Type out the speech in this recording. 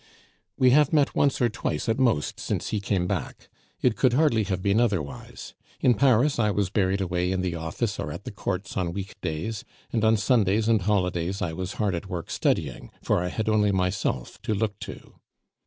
"We have met once or twice at most since he came back. It could hardly have been otherwise. In Paris I was buried away in the office or at the courts on week days, and on Sundays and holidays I was hard at work studying, for I had only myself to look to."